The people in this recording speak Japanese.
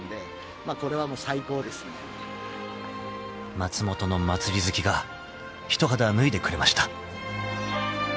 ［松本の祭り好きが一肌脱いでくれました］